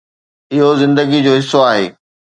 اهو زندگيءَ جو حصو آهي.